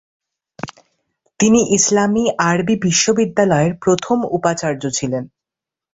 তিনি ইসলামি আরবি বিশ্ববিদ্যালয়ের প্রথম উপাচার্য ছিলেন।